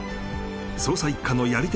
捜査一課のやり手